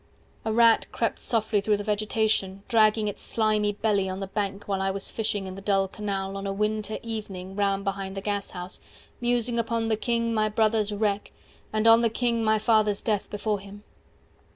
A rat crept softly through the vegetation Dragging its slimy belly on the bank While I was fishing in the dull canal On a winter evening round behind the gashouse. 190 Musing upon the king my brother's wreck And on the king my father's death before him.